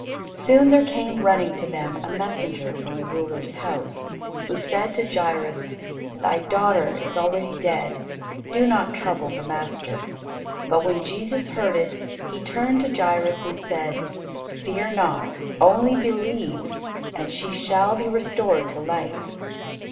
Soon there came running to them a messenger from the ruler's house, who said to Jairus, "Thy daughter is already dead; do not trouble the master." But when Jesus heard it He turned to Jairus and said, "Fear not. Only believe, and she shall be restored to life."